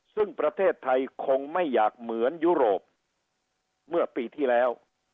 ซึ่งประเทศไทยคงไม่อยากเหมือนยุโรปเมื่อปีที่แล้ว